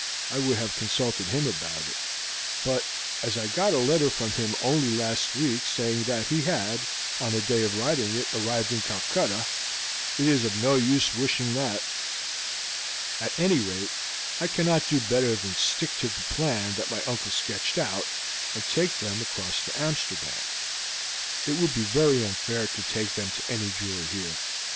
I would have consulted him about it; but as I got a letter from him only last week saying that he had, on the day of writing it, arrived in Calcutta, it is of no use wishing that. At any rate, I cannot do better than stick to the plan that my uncle sketched out, and take them across to Amsterdam. It would be very unfair to take them to any jeweler here.